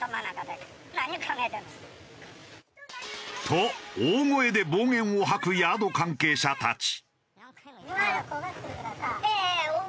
と大声で暴言を吐くヤード関係者たち。